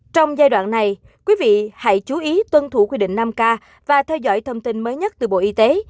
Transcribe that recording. trong giai đoạn này quý vị hãy chú ý tuân thủ quy định năm k và theo dõi thông tin mới nhất từ bộ y tế